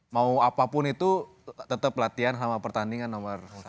mau apapun itu tetap latihan sama pertandingan nomor satu